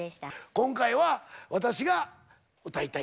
今回は私が歌いたい。